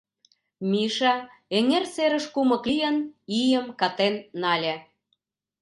Миша, эҥер серыш кумык лийын, ийым катен нале.